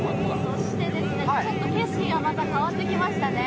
そしてちょっと景色がまた変わってきましたね。